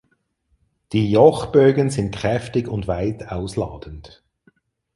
Die Jochbögen sind kräftig und weit ausladend.